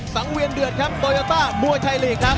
สังเวียนเดือดครับโตโยต้ามวยไทยลีกครับ